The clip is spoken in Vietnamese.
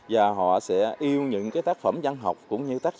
và họ sẽ yêu những cái tác phẩm dân học